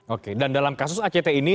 oke dan dalam kasus act ini